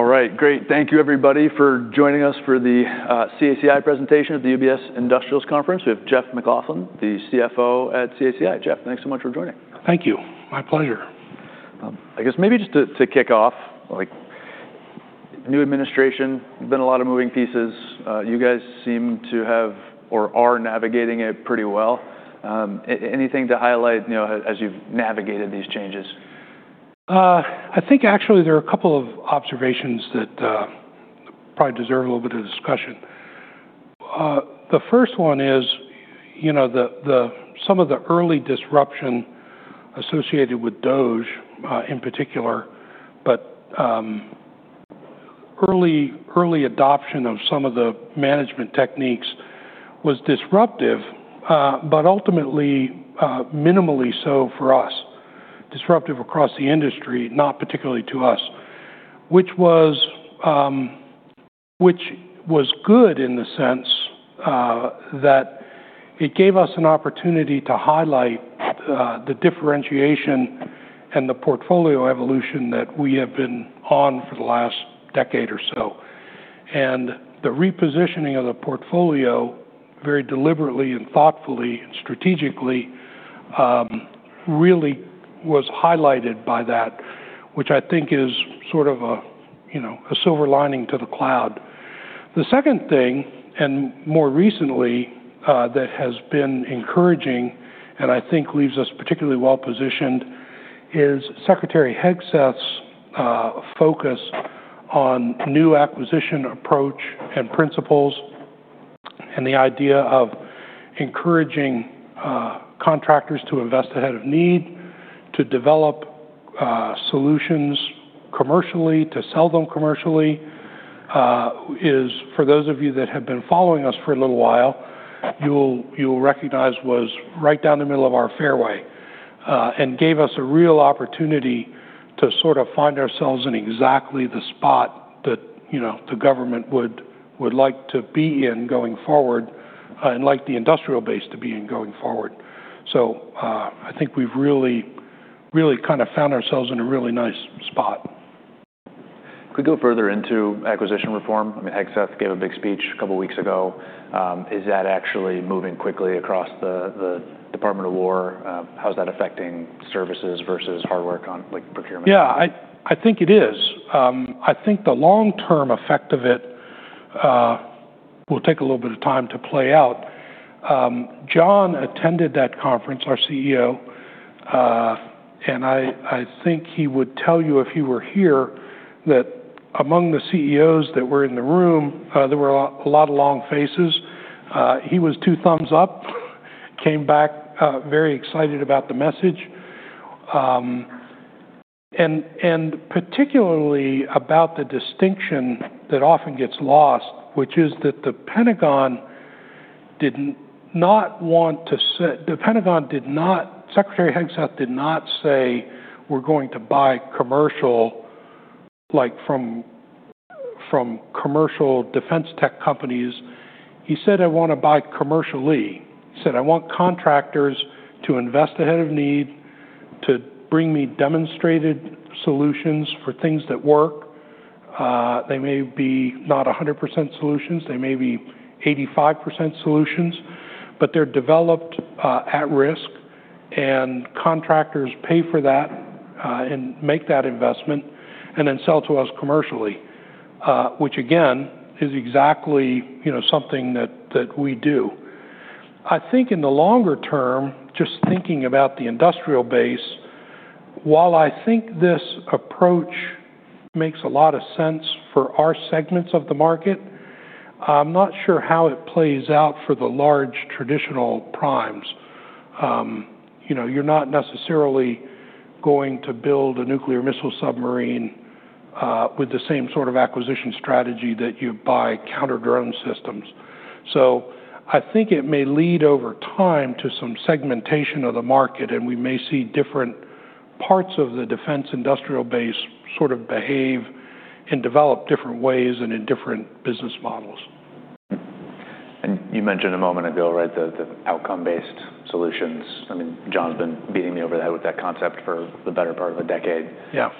All right, great. Thank you everybody for joining us. For the CACI presentation at the UBS Industrials conference, we have Jeff MacLauchlan, the CFO at CACI. Jeff, thanks so much for joining. Thank you. My pleasure. I guess maybe just to kick off, like new administration. Been a lot of moving pieces. You guys seem to have or are navigating it pretty well. Anything to highlight as you've navigated these changes? I think actually there are a couple of observations that probably deserve a little bit of discussion. The first one is, you know, some of the early disruption associated with DOGE in particular, but early adoption of some of the management techniques was disruptive, but ultimately minimally so for us. Disruptive across the industry, not particularly to us, which was good in the sense that it gave us an opportunity to highlight the differentiation and the portfolio evolution that we have been on for the last decade or so. The repositioning of the portfolio very deliberately and thoughtfully and strategically really was highlighted by that, which I think is sort of a, you know, a silver lining to the cloud. The second thing, and more recently that has been encouraging and I think leaves us particularly well positioned is Secretary Hegseth's focus on new acquisition approach and principles. The idea of encouraging contractors to invest ahead of need to develop solutions commercially, to sell them commercially, is for those of you that have been following us for a little while, you'll recognize was right down the middle of our fairway and gave us a real opportunity to sort of find ourselves in exactly the spot that the government would like to be in going forward and like the industrial base to be in going forward. I think we've really, really kind of found ourselves in a really nice spot. Could we go further into acquisition reform? I mean, Hegseth gave a big speech a couple weeks ago. Is that actually moving quickly across the Department of Defense? How's that affecting services versus hard work on like procurement? Yeah, I think it is. I think the long term effect of it will take a little bit of time to play out. John attended that conference, our CEO, and I think he would tell you if you were here, that among the CEOs that were in the room, there were a lot of long faces. He was two thumbs up, came back very excited about the message and particularly about the distinction that often gets lost, which is that the Pentagon did not want to set. The Pentagon did not. Secretary Hegseth did not say, we're going to buy commercial, like from commercial defense tech companies. He said, I want to buy commercially. He said, I want contractors to invest ahead of need to bring me demonstrated solutions for things that work. They may be not 100% solutions, they may be 85% solutions, but they're developed at risk and contractors pay for that and make that investment and then sell to us commercially. Which again is exactly, you know, something that we do. I think in the longer term, just thinking about the industrial base, while I think this approach makes a lot of sense for our segments of the market, I'm not sure how it plays out for the large traditional primes. You know, you're not necessarily going to build a nuclear missile submarine with the same sort of acquisition strategy that you buy counter drone systems. I think it may lead over time to some segmentation of the market and we may see different parts of the defense industrial base sort of behave and develop different ways and in different business models. You mentioned a moment ago, right. The outcome based solutions. I mean, John's been beating me over the head with that concept for the better part of a decade. Yeah.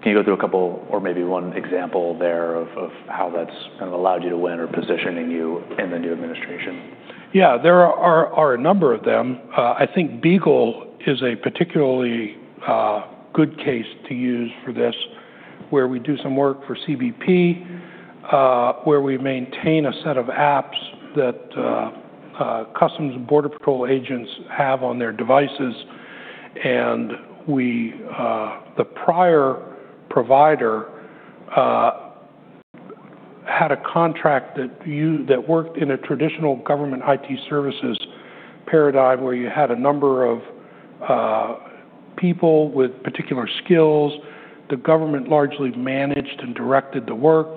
Can you go through a couple or maybe one example there of how that's kind of allowed you to win or positioning you in the new administration? Yeah, there are a number of them. I think BEAGLE is a particularly good case to use for this, where we do some work for CBP where we maintain a set of apps that customs and border patrol agents have on their devices. The prior provider had a contract that worked in a traditional government IT services paradigm where you had a number of people with particular skills. The government largely managed and directed the work.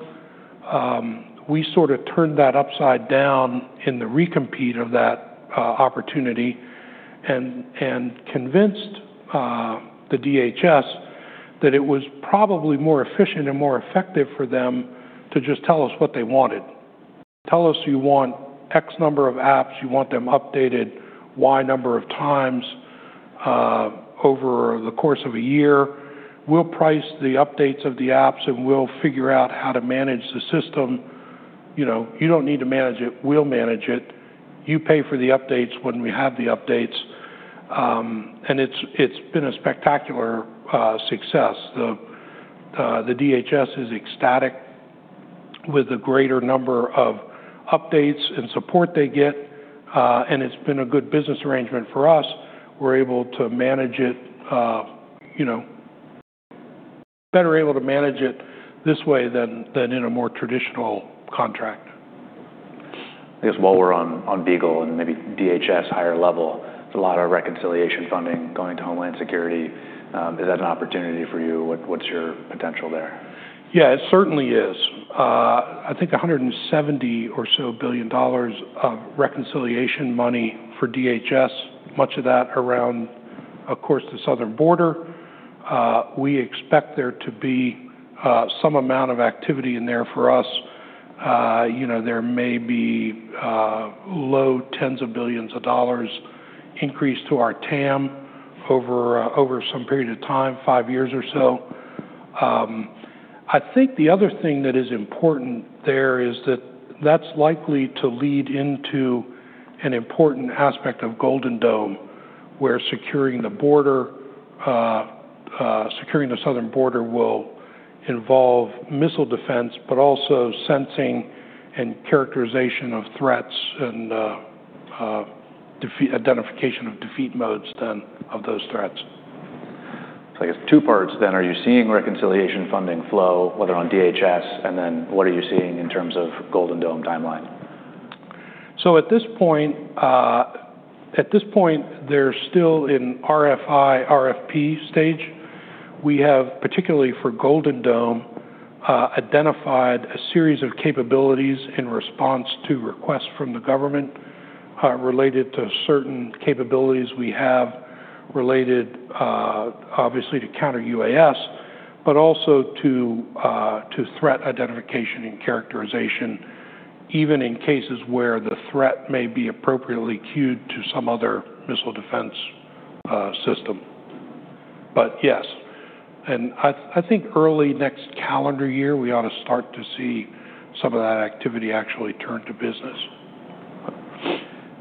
We sort of turned that upside down in the recompete of that opportunity and convinced DHS that it was probably more efficient and more effective for them to just tell us what they wanted. Tell us you want X number of apps, you want them updated Y number of times over the course of a year. We'll price the updates of the apps and we'll figure out how to manage the system. You know, you don't need to manage it, we'll manage it. You pay for the updates when we have the updates. It's been a spectacular success. The DHS is ecstatic with the greater number of updates and support they get. It's been a good business arrangement for us. We're able to manage it, you know, better able to manage it this way than in a more traditional contract. I guess while we're on BEAGLE and maybe DHS higher level, there's a lot of reconciliation funding going to Homeland Security. Is that an opportunity for you? What's your potential there? Yeah, it certainly is. I think $170 billion or so of reconciliation money for DHS. Much of that around, of course, the southern border. We expect there to be some amount of activity in there for us. You know, there may be low tens of billions of dollars increase to our TAM over some period of time, five years or so. I think the other thing that is important there is that that's likely to lead into an important aspect of Golden Dome where securing the border, securing the southern border will involve missile defense, but also sensing and characterization of threats and identification of defeat modes then of those threats. I guess two parts then, are you seeing reconciliation funding flow, whether on DHS, and then what are you seeing in terms of Golden Dome timeline? At this point, they're still in RFI RFP stage. We have, particularly for Golden Dome, identified a series of capabilities in response to requests from the government related to certain capabilities. We have, related obviously to counter-UAS, but also to threat identification and characterization, even in cases where the threat may be appropriately cued to some other missile defense system. Yes, I think early next calendar year we ought to start to see some of that activity actually turn to business.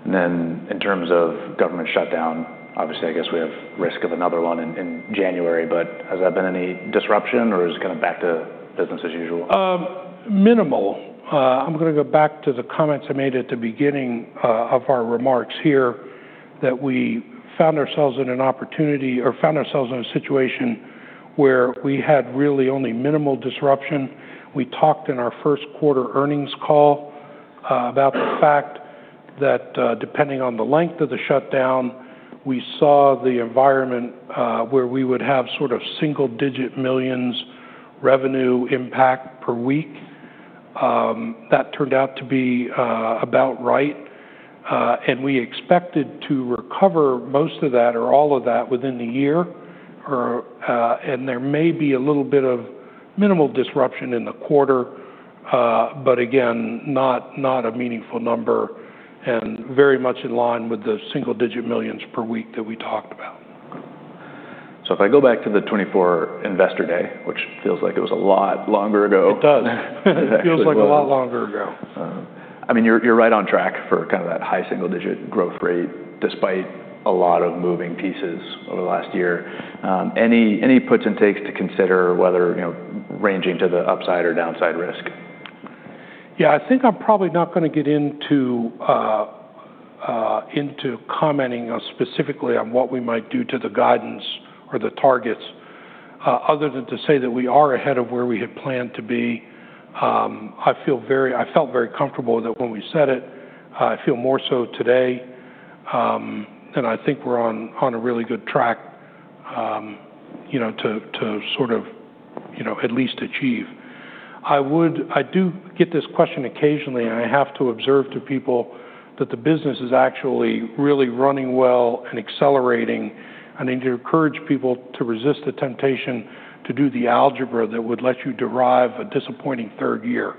In terms of government shutdown, obviously I guess we have risk of another one in January. Has that been any disruption or is it kind of back to business as usual minimal? I'm going to go back to the comments I made at the beginning of our remarks here that we found ourselves in an opportunity or found ourselves in a situation where we had really only minimal disruption. We talked in our first quarter earnings call about the fact that depending on the length of the shutdown, we saw the environment where we would have sort of single digit millions revenue impact per week. That turned out to be about right. We expected to recover most of that or all of that within the year. There may be a little bit of minimal disruption in the quarter, but again not a meaningful number and very much in line with the single digit millions per week that we talked about. If I go back to the 2024 Investor Day, which feels like it was a lot longer ago. It does feel like a lot longer ago. I mean, you're right on track for kind of that high single digit growth rate despite a lot of moving pieces over the last year. Any, any puts and takes to consider whether, you know, ranging to the upside or downside risk? Yeah, I think I'm probably not going to get into commenting specifically on what we might do to the guidance or the targets other than to say that we are ahead of where we had planned to be. I feel very. I felt very comfortable that when we said it. I feel more so today, and I think we're on a really good track, you know, to sort of, you know, at least achieve. I would. I do get this question occasionally, and I have to observe to people that the business is actually really running well and accelerating. I need to encourage people to resist the temptation to do the algebra that would let you derive a disappointing third year.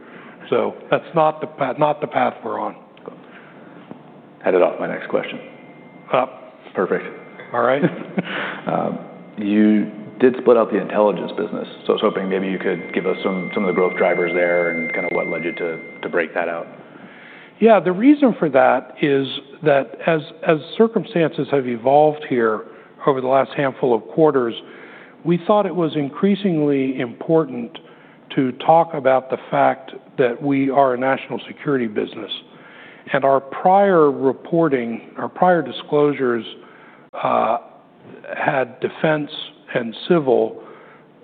That's not the path we're on. Headed off my next question. Perfect. All right. You did split out the intelligence business, so I was hoping maybe you could give us some of the growth drivers there and kind of what led you to break that out? Yeah, the reason for that is that as circumstances have evolved here over the last handful of quarters, we thought it was increasingly important to talk about the fact that we are a national security business. Our prior reporting, our prior disclosures had defense and civil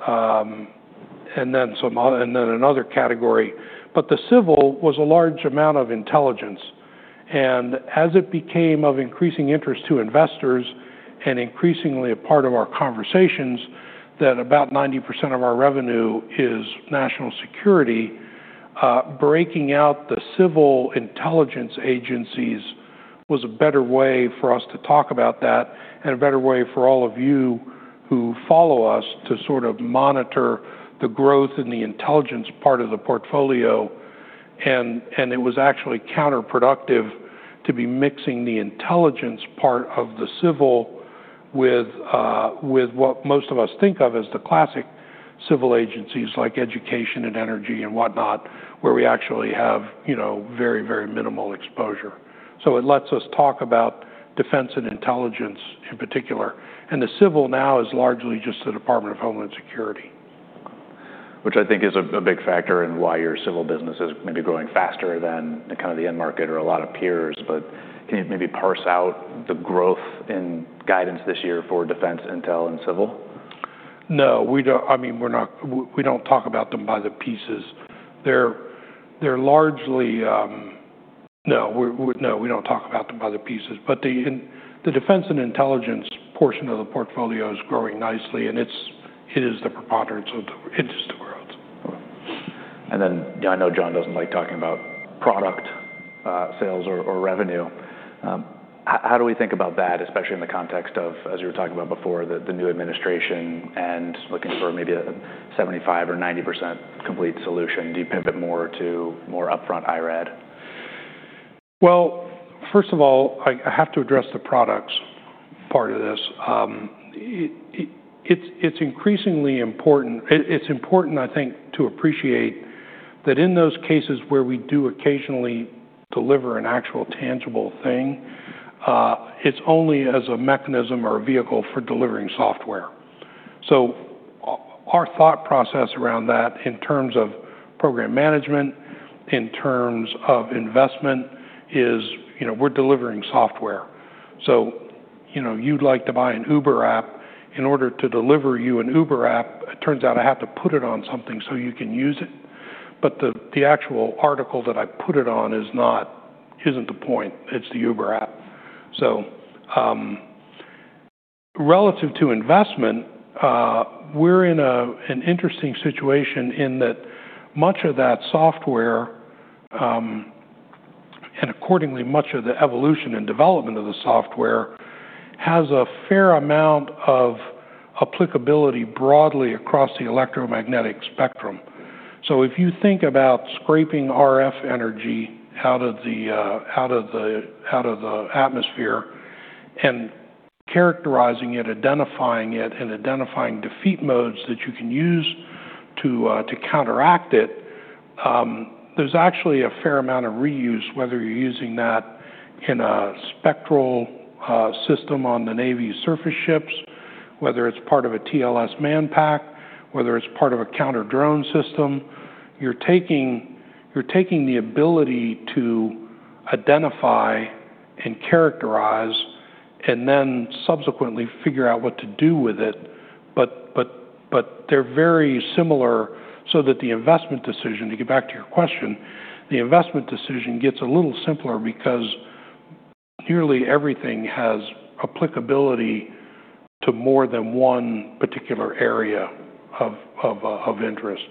and then some, and then another category. The civil was a large amount of intelligence. As it became of increasing interest to investors and increasingly a part of our conversations, that about 90% of our revenue is national security, breaking out the civil intelligence agencies was a better way for us to talk about that and a better way for all of you who follow us to sort of monitor the growth in the intelligence part of the portfolio. It was actually counterproductive to be mixing the intelligence part of the civilization with what most of us think of as the classic civil agencies like education and energy and whatnot, where we actually have, you know, very, very minimal exposure. It lets us talk about defense and intelligence in particular. The civil now is largely just the Department of Homeland Security, Which I think is a big factor in why your civil business is maybe growing faster than kind of the end market or a lot of people years. Can you maybe parse out the growth in guidance this year for Defense, Intel and Civil? No, we don't. I mean, we're not. We don't talk about them by the pieces. They're largely. No, no, we don't talk about them by the pieces, but in the defense and intelligence portion of the portfolio is growing nicely. It is the preponderance of the interest of. I know John doesn't like talking about product sales or revenue. How do we think about that, especially in the context of, as you were talking about before, the new administration and looking for maybe a 75% or 90% complete solution? Do you pivot more to more upfront IRAD? First of all, I have to address the products part of this. It's increasingly important. It's important, I think, to appreciate that in those cases where we do occasionally deliver an actual tangible thing, it's only as a mechanism or a vehicle for delivering software. Our thought process around that in terms of program management, in terms of investment is we're delivering software. You know, you'd like to buy an Uber app. In order to deliver you an Uber app, it turns out I have to put it on something so you can use it. The actual article that I put it on is not, isn't the point, it's the Uber app. Relative to investment, we're in an interesting situation in that much of that software and accordingly, much of the evolution and development of the software has a fair amount of applicability broadly across the electromagnetic spectrum. If you think about scraping RF energy out of the atmosphere and characterizing it, identifying it and identifying defeat modes that you can use to counteract it, there's actually a fair amount of reuse. Whether you're using that in a spectral system on the Navy surface ships, whether it's part of a TLS Manpack, whether it's part of a counter drone system, you're taking the ability to identify and characterize and then subsequently figure out what to do with it. They are very similar. The investment decision, to get back to your question, the investment decision gets a little simpler because nearly everything has applicability to more than one particular area of interest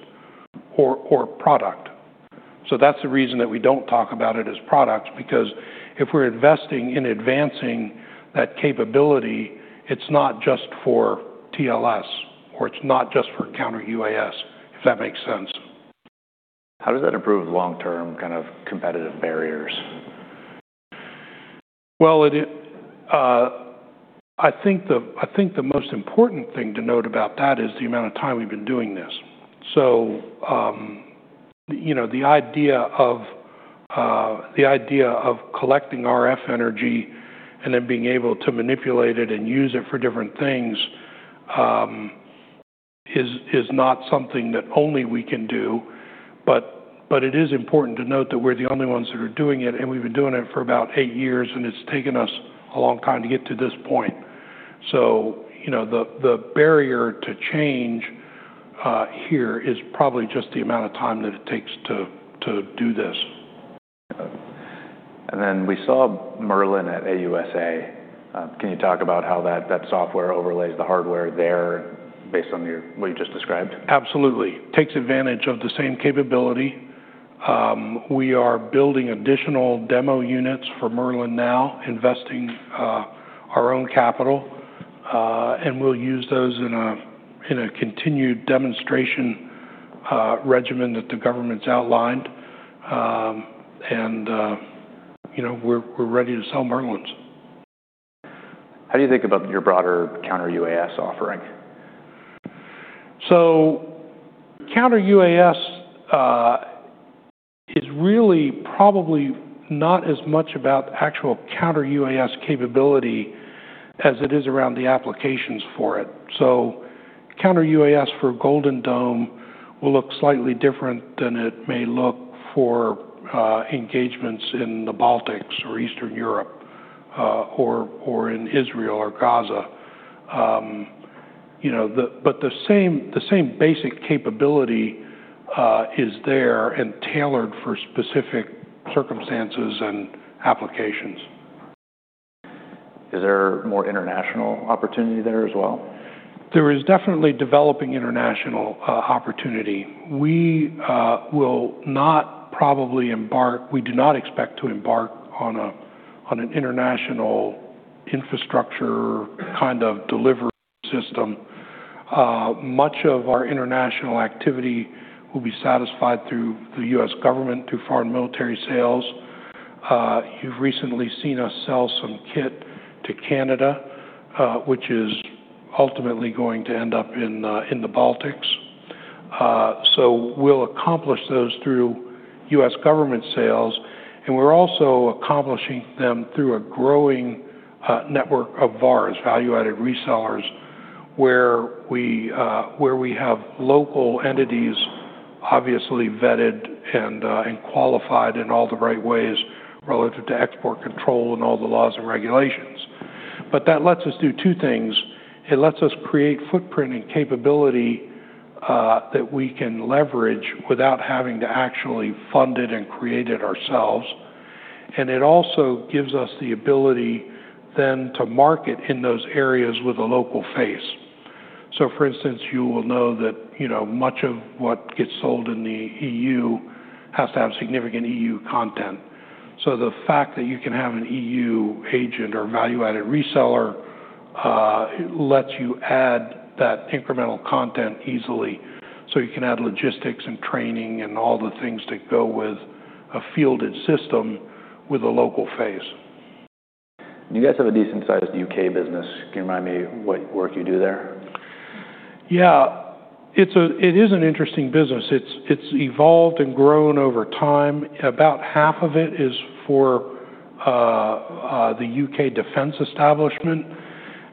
or product. That is the reason that we do not talk about it as products. Because if we are investing in advancing that capability, it is not just for TLS or it is not just for counter-UAS, if that makes sense. How does that improve long term kind of competitive barriers? I think the most important thing to note about that is the amount of time we've been doing this. You know, the idea of collecting RF energy and then being able to manipulate it and use it for different things is not something that only we can do. It is important to note that we're the only ones that are doing it. We've been doing it for about eight years and it's taken us a long time to get to this point. You know, the barrier to change here is probably just the amount of time that it takes to do this. We saw Merlin at AUSA. Can you talk about how that software overlays the hardware there based on what you just described? Absolutely takes advantage of the same capability. We are building additional demo units for Merlin now, investing our own capital and we'll use those in a, in a continued demonstration regimen that the government's outlined. You know, we're ready to sell Merlins. How do you think about your broader counter-UAS offering? Counter-UAS is really probably not as much about actual counter-UAS capability as it is around the applications for it. Counter-UAS for Golden Dome will look slightly different than it may look for engagements in the Baltics or Eastern Europe or in Israel or Gaza, you know, but the same basic capability is there and tailored for specific circumstances and applications. Is there more international opportunity there as well? There is definitely developing international opportunity. We will not probably embark, we do not expect to embark on an international infrastructure kind of delivery system. Much of our international activity will be satisfied through the U.S. Government, through foreign military sales. You've recently seen us sell some kit to Canada which is ultimately going to end up in the Baltics. We will accomplish those through U.S. Government sales. We are also accomplishing them through a growing network of VARs, value added resellers where we have local entities obviously vetted and qualified in all the right ways relative to export control and all the laws and regulations. That lets us do two things. It lets us create footprint and capability that we can leverage without having to actually fund it and create it ourselves. It also gives us the ability then to market in those areas with a local face. For instance, you will know that, you know, much of what gets sold in the EU has to have significant EU content. The fact that you can have an EU agent or value added reseller lets you add that incremental content easily. You can add logistics and training and all the things that go with a fielded system with a local phase. You guys have a decent sized U.K. business. Can you remind me what work you do there? Yeah, it is an interesting business. It's evolved and grown over time. About half of it is for the U.K. defense establishment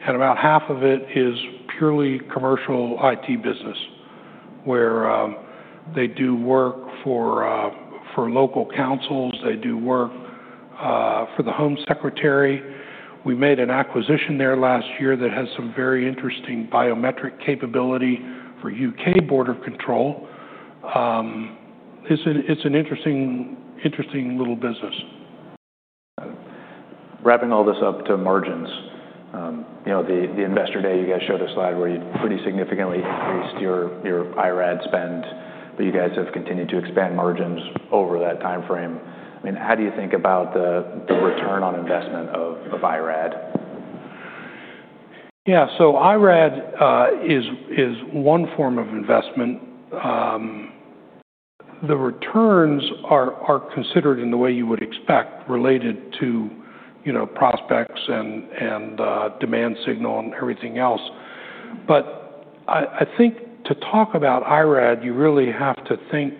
and about half of it is purely commercial IT business where they do work for local councils, they do work for the Home Secretary. We made an acquisition there last year that has some very interesting biometric capability for U.K. border control. It's an interesting little business. Wrapping all this up to margins. You know, the investor day, you guys showed a slide where you pretty significantly increased your IRAD spend. But you guys have continued to expand margins over that time frame. I mean, how do you think about the return on investment of, of IRAD? Yeah, so IRAD is one form of investment. The returns are considered in the way you would expect related to prospects and demand signal and everything else. I think to talk about IRAD, you really have to think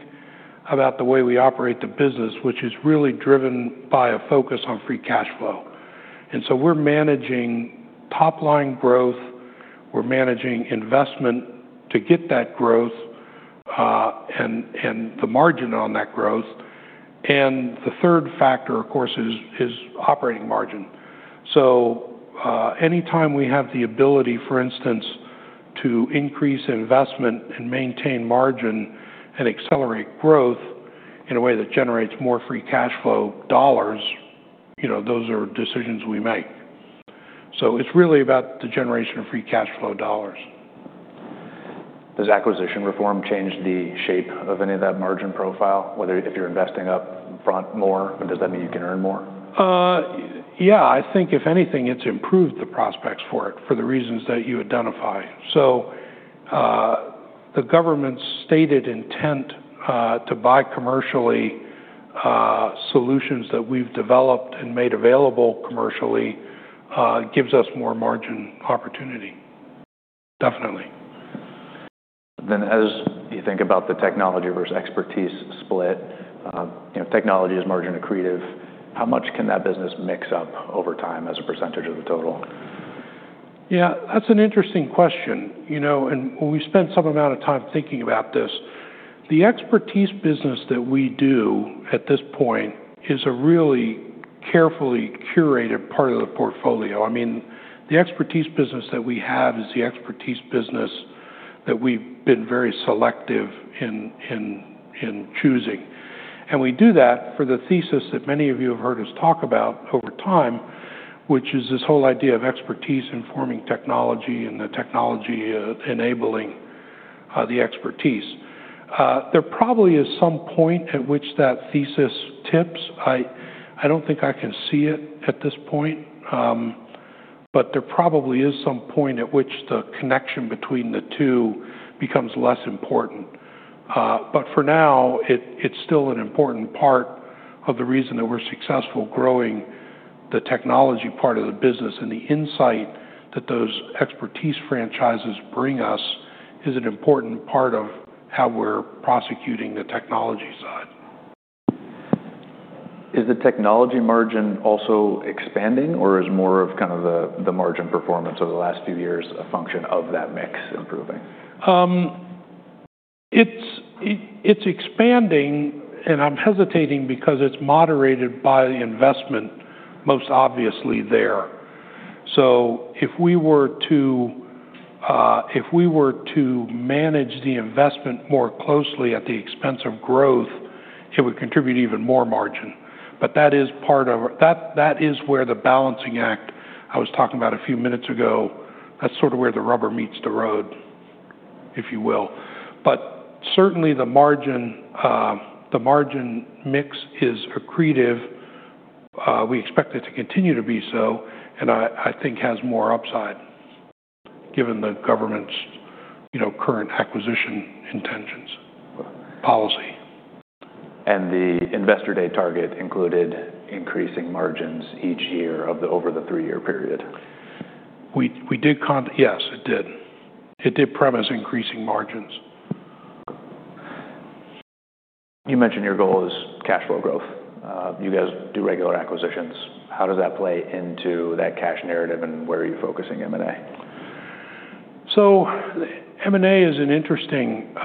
about the way we operate the business, which is really driven by a focus on free cash flow. We're managing top line growth, we're managing investment to get that growth and the margin on that growth. The third factor of course is operating margin. Anytime we have the ability, for instance, to increase investment and maintain margin and accelerate growth in a way that generates more free cash flow dollars, you know, those are decisions we make. It's really about the generation of free cash flow dollars. Does acquisition reform change the shape of any of that margin profile? Whether if you're investing up front more, does that mean you can earn more? Yeah, I think if anything, it's improved the prospects for it for the reasons that you identify. The government's stated intent to buy commercially solutions that we've developed and made available commercially gives us more margin opportunity. Definitely. As you think about the technology versus expertise split, you know, technology is margin accretive. How much can that business mix up over time as a percentage of the total? Yeah, that's an interesting question. You know, and we spent some amount of time thinking about this. The expertise business that we do at this point is a really carefully curated part of the portfolio. I mean, the expertise business that we have is the expertise business that we've been very selective in choosing. And we do that for the thesis that many of you have heard us talk about over time, which is this whole idea of expertise informing technology and the technology enabling the expertise. There probably is some point at which that thesis tips. I don't think I can see it at this point, but there probably is some point at which the connection between the two becomes less important. For now, it's still an important part of the reason that we're successful. Growing the technology part of the business and the insight that those expertise franchises bring us is an important part of how we're prosecuting the technology side. Is the technology margin also expanding or is more of kind of the margin performance over the last few years a function of that mix improving? It's expanding and I'm hesitating because it's moderated by the investment most obviously there. If we were to manage the investment more closely at the expense of growth, it would contribute even more margin. That is what where the balancing act I was talking about a few minutes ago, that's sort of where the rubber meets the road, if you will. Certainly the margin mix is accretive. We expect it to continue to be so and I think has more upside given the government's, you know, current acquisition. Intentions policy and the investor day target included increasing margins each year over the three year period. We did. Yes, it did. It did premise increasing margins. You mentioned your goal is cash flow growth. You guys do regular acquisitions. How does that play into that cash narrative and where are you focusing M and A? M and A is an interesting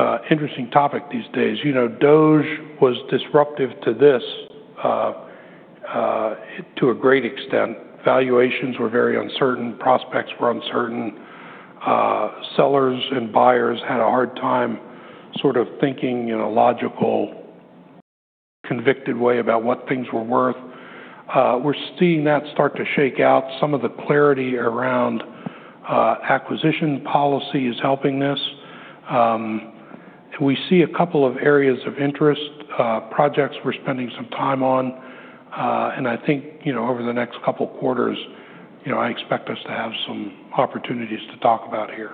topic these days. You know, DOGE was disruptive to this to a great extent. Valuations were very uncertain, prospects were uncertain. Sellers and buyers had a hard time sort of thinking in a logical, convicted way about what things were worth. We're seeing that start to shake out. Some of the clarity around acquisition policy is helping this. We see a couple of areas of interest, projects we're spending some time on and I think, you know, over the next couple quarters, you know, I expect us to have some opportunities to talk about here.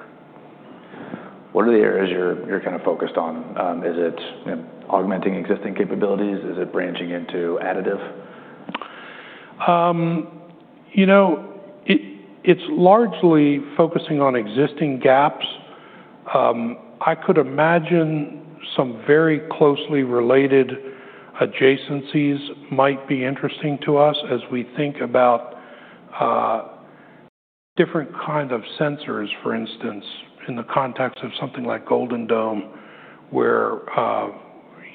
What are the areas you're, you're kind of focused on? Is it augmenting existing capabilities, is it branching into additive? You know, it's largely focusing on existing gaps. I could imagine some very closely related adjacencies might be interesting to us as we think about different kind of sensors. For instance, in the context of something like Golden Dome, where,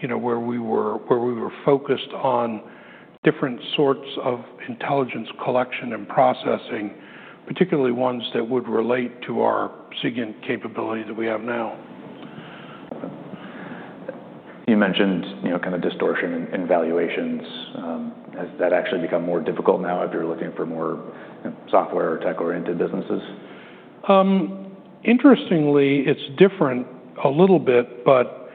you know, where we were focused on different sorts of intelligence collection and processing, particularly ones that would relate to our SIGINT capability that we have now. You mentioned, you know, kind of distortion in valuations. Has that actually become more difficult now if you're looking for more software or tech oriented businesses? Interestingly it's different a little bit, but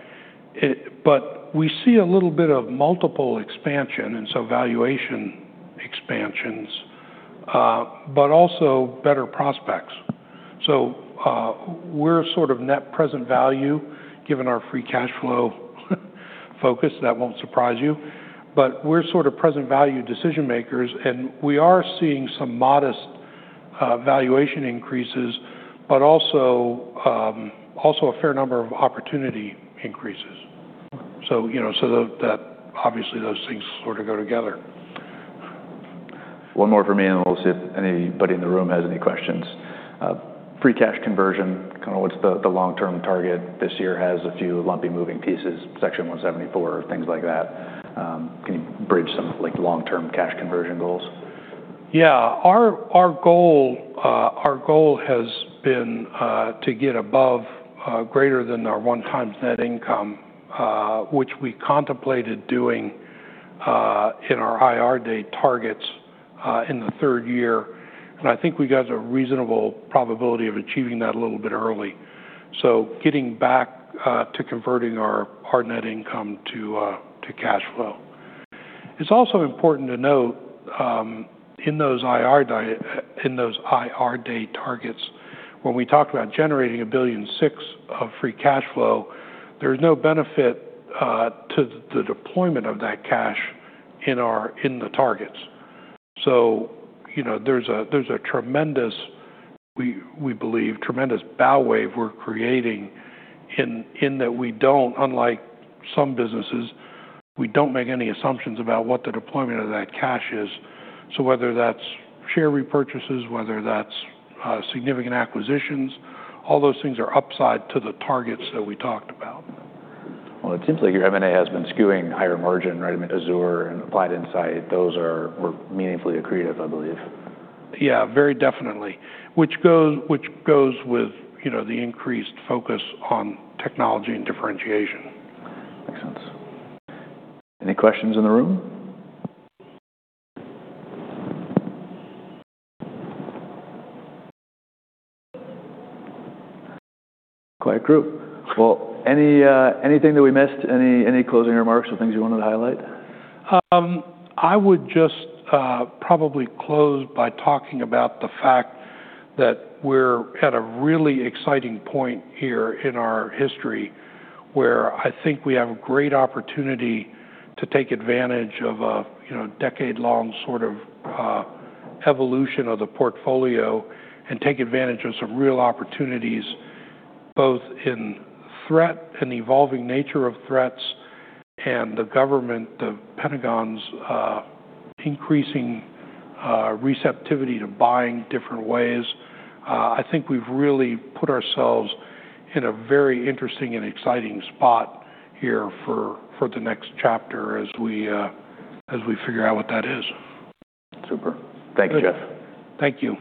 we see a little bit of multiple expansion and valuation expansions, but also better prospects. We're sort of net present value. Given our free cash flow focus, that won't surprise you, but we're sort of present value decision makers and we are seeing some modest valuation increases, but also a fair number of opportunity increases. You know, that obviously those things sort of go together. One more for me and we'll see if anybody in the room has any questions. Free cash conversion, kind of what's the long term target this year? Has a few lumpy moving pieces, section 174, things like that. Can you bridge some like long term cash conversion goals? Yeah, our goal, our goal has been to get above greater than our one times net income which we contemplated doing in our IR Day targets in the third year. I think we got a reasonable probability of achieving that a little bit early. Getting back to converting our net income to cash flow, it's also important to note in those IR Day targets when we talk about generating $1.6 billion of free cash flow, there's no benefit to the deployment of that cash in our, in the targets. You know, there's a tremendous, we, we believe, tremendous bow wave we're creating in that we don't, unlike some businesses, we don't make any assumptions about what the deployment of that cash is. Whether that's share repurchases, whether that's significant acquisitions, all those things are upside to the targets that we talked about. It seems like your M and A has been skewing higher margin, right? Azure and Applied Insight, those are meaningfully accretive, I believe. Yeah, very definitely. Which goes with, you know, the increased focus on technology and differentiation. Makes sense. Any questions in the room? Quiet group. Any, anything that we missed, any, any closing remarks or things you wanted to highlight? I would just probably close by talking about the fact that we're at a really exciting point here in our history where I think we have a great opportunity to take advantage of a decade-long sort of evolution of the portfolio and take advantage of some real opportunities both in threat and evolving nature of threats and the government, the Pentagon's increasing receptivity to buying different ways. I think we've really put ourselves in a very interesting and exciting spot here for the next chapter as we figure out what that is. Super, thanks Jeff. Thank you.